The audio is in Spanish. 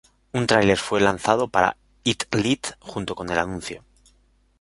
Un trailer fue lanzado para "Eat Lead" junto con el anuncio.